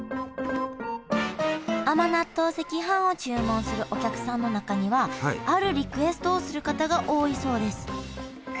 甘納豆赤飯を注文するお客さんの中にはあるリクエストをする方が多いそうです。